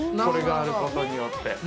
これがあることによって。